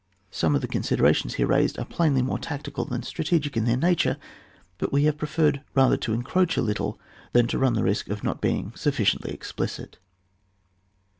Some of the considerations here raised are plainly more tactical than strategic in their nature; but we have prefer red rather to encroach a little l3ian to run the ri^ of not being sufficiently explicit.